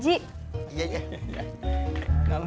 nah kita lihat knatha atuh